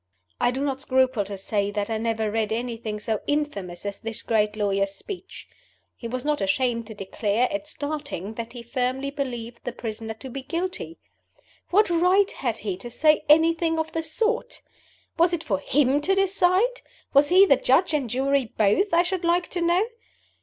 I do not scruple to say that I never read anything so infamous as this great lawyer's speech. He was not ashamed to declare, at starting, that he firmly believed the prisoner to be guilty. What right had he to say anything of the sort? Was it for him to decide? Was he the Judge and Jury both, I should like to know?